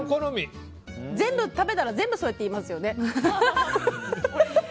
食べたら全部そうやって言いますよね。